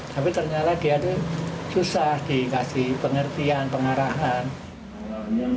tapi ternyata dia itu susah dikasih pengertian pengarahan